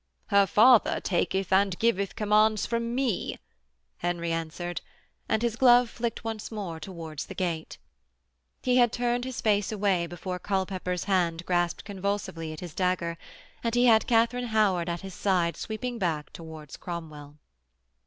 'Her father taketh and giveth commands from me,' Henry answered, and his glove flicked once more towards the gate. He had turned his face away before Culpepper's hand grasped convulsively at his dagger and he had Katharine Howard at his side sweeping back towards Cromwell.